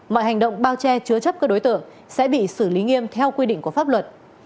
mọi hành động bao che chứa chấp các đối tượng sẽ bị xử lý nghiêm theo quy định của pháp luật